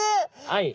はい。